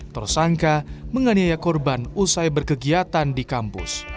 tersangka menganiaya korban usai berkegiatan di kampus